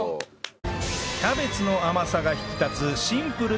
キャベツの甘さが引き立つシンプルな味付け